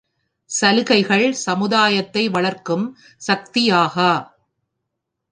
சலுகைகள் சமுதாயத்தை வளர்க்கும் சக்தியாகா.